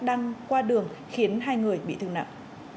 đang qua đường khiến hai người bị thương nặng